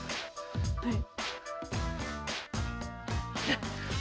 はい。